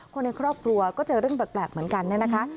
คนในครอบครัวก็เจอเรื่องแปลกเหมือนกันเนี่ยนะคะ